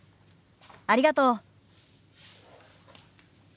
ありがとう。